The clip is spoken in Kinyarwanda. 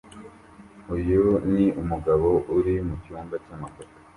Uyu ni umugabo uri mu cyumba cyamafoto